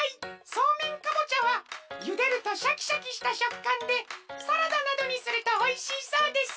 そうめんかぼちゃはゆでるとシャキシャキしたしょっかんでサラダなどにするとおいしいそうです。